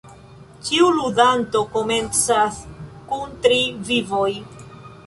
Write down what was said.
Ĉiu ludanto komencas kun tri vivoj.